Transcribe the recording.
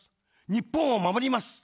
日本を守ります。